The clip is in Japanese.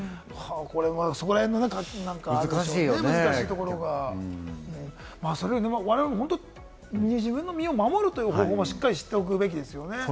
そこら辺、難しいところが、我々も自分の身を守る方法もしっかり知っておくべきですよね。